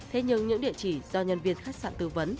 thế nhưng những địa chỉ do nhân viên khách sạn tư vấn